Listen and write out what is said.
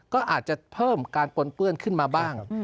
ก็อาจจะเพิ่มการปนเปื้อนขึ้นมาบ้าง